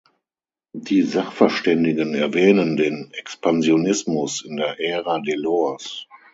Die Sachverständigen erwähnen den Expansionismus in der Ära Delors.